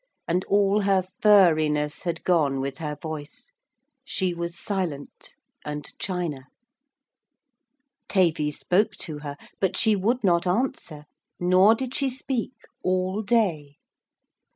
And all her furriness had gone with her voice. She was silent and china. Tavy spoke to her. But she would not answer. Nor did she speak all day.